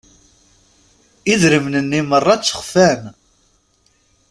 Idrimen-nni merra ttexfan.